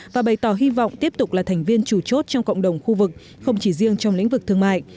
và bày tỏ hy vọng tiếp tục là thành viên chủ chốt trong cộng đồng khu vực không chỉ riêng trong lĩnh vực thương mại